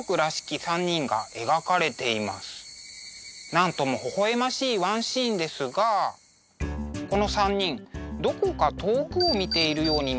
なんともほほ笑ましいワンシーンですがこの３人どこか遠くを見ているように見えますね。